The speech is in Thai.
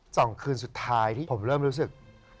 สองคืนสุดท้ายที่ผมเริ่มรู้สึก